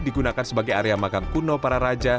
digunakan sebagai area makam kuno para raja